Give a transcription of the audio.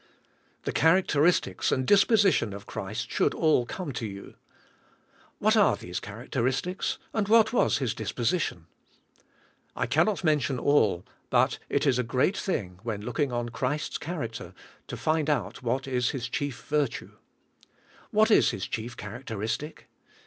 The characteristics and disposition of Christ should all come to you. What are these characteristics, and what was His disposition? I cannot mention all, but it is a great thing", when looking on Christ's character, to find out what is His chief virtue? What is His chief characteristic?